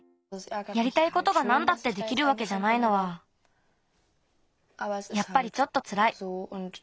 やりたいことがなんだってできるわけじゃないのはやっぱりちょっとつらい。